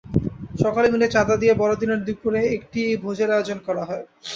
সকলে মিলে চাঁদা দিয়ে বড়দিনের দুপুরে একটি ভোজের আয়োজন করা হয়।